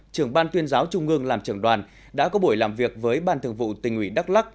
trưởng ban tuyên giáo trung ương làm trưởng đoàn đã có buổi làm việc với ban thường vụ tỉnh ủy đắk lắc